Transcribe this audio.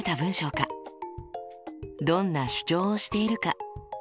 どんな主張をしているか？